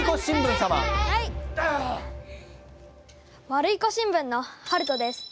ワルイコ新聞のはるとです。